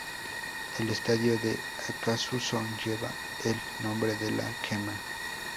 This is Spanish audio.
El estadio de Acassuso lleva el nombre de La Quema.